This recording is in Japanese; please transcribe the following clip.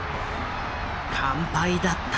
完敗だった。